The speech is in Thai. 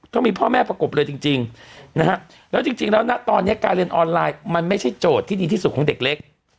ก็มีพ่อแม่ประกบเลยจริงนะฮะแล้วจริงแล้วนะตอนนี้การเรียนออนไลน์มันไม่ใช่โจทย์ที่ดีที่สุดของเด็กเล็ก